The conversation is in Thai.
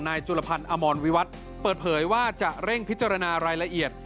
จุลพันธ์อมรวิวัตรเปิดเผยว่าจะเร่งพิจารณารายละเอียด